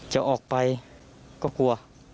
จะออกไปก็กลัว